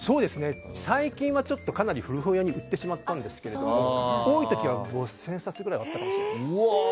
最近は、かなり古本屋に売ってしまったんですが多い時は５０００冊あったかもしれないです。